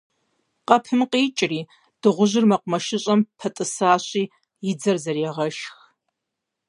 Къэпым къикӏри, дыгъужьыр мэкъумэшыщӏэм пэтӏысащи, и дзэр зэрегъэшх.